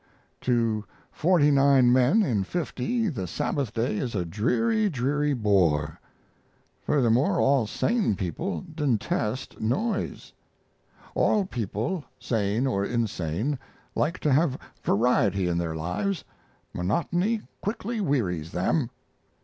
To forty nine men in fifty the Sabbath day is a dreary, dreary bore. Further, all sane people detest noise. All people, sane or insane, like to have variety in their lives. Monotony quickly wearies them.